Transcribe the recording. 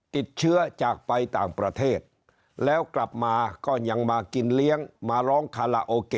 ติดเชื้อจากไปต่างประเทศแล้วกลับมาก็ยังมากินเลี้ยงมาร้องคาราโอเกะ